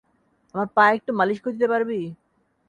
আমার পা একটু মালিশ করে দিতে পারবি?